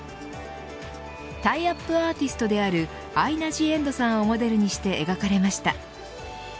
タイアップアーティストであるアイナ・ジ・エンドさんをモデルにして描かれました。